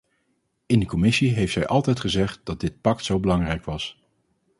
In de commissie heeft zij altijd gezegd dat dit pact zo belangrijk was.